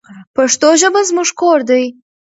پښتو ژبه زموږ کور دی.